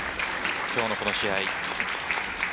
今日のこの試合。